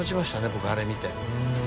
僕あれ見て。